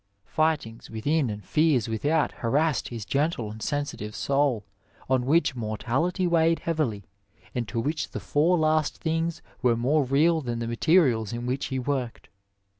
Fightings within and fears without harassed his gentle and sensitive soul, on which mortality weighed heavily, and to which the four last things were more real than the materials in which he worked.